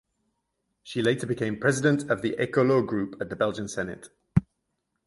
She later became president of the Ecolo group at the Belgian Senate.